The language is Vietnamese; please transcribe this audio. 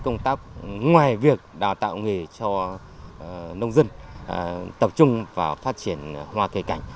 ngoài việc đào tạo nghề cho nông dân tập trung vào phát triển hoa cây cảnh